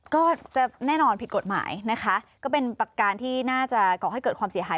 ก็จะแน่นอนผิดกฎหมายนะคะก็เป็นประการที่น่าจะก่อให้เกิดความเสียหาย